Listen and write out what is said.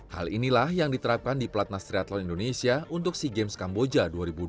hal inilah yang diterapkan di platnas triathlon indonesia untuk sea games kamboja dua ribu dua puluh